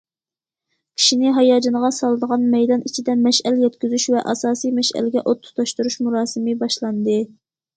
كىشىنى ھاياجانغا سالىدىغان مەيدان ئىچىدە مەشئەل يەتكۈزۈش ۋە ئاساسىي مەشئەلگە ئوت تۇتاشتۇرۇش مۇراسىمى باشلاندى.